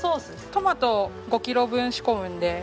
トマトを５キロ分仕込むので。